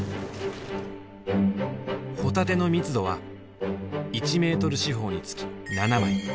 ホタテの密度は１メートル四方につき７枚。